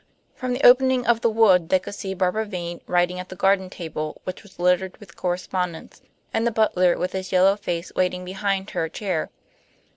From the opening of the wood they could see Barbara Vane writing at the garden table, which was littered with correspondence, and the butler with his yellow face waiting behind her chair.